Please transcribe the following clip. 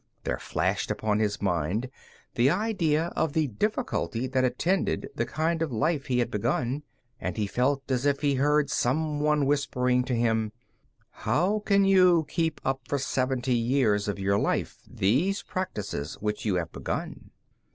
There flashed upon his mind the idea of the difficulty that attended the kind of life he had begun, and he felt as if he heard some one whispering to him, "How can you keep up for seventy years of your life these practices which you have begun?"